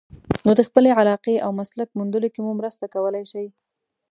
نو د خپلې علاقې او مسلک موندلو کې مو مرسته کولای شي.